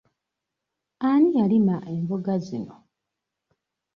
Ani yalima emboga zino?